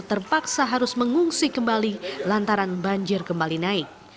terpaksa harus mengungsi kembali lantaran banjir kembali naik